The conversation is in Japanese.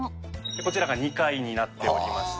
こちらが２階になっておりまして。